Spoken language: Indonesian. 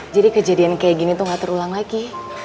jadi kejadian kayak gini tuh gak terulang lagi